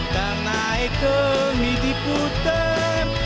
tar naik ke muidiputer